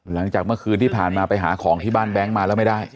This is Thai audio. หลังจากเมื่อคืนที่ผ่านมาไปหาของที่บ้านแบงค์มาแล้วไม่ได้